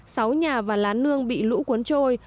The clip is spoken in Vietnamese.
sáu nhà và lá nương bị lũ cuốn trôi